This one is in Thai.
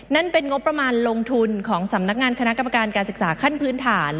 นั่นเป็นงบประมาณลงทุนของสำนักงานคณะกรรมการการศึกษาขั้นพื้นฐาน